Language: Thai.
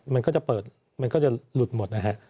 มันก็จะเปิดมันก็จะหลุดหมดนะฮะ